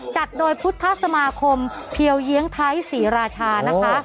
จัดโดยพุทธสมาคมเพียวเยียงไทยศรีราชานะคะ